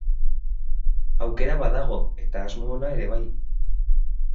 Aukera badago eta asmo ona ere bai.